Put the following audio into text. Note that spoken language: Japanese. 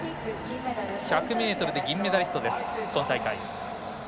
１００ｍで銀メダリスト、今大会。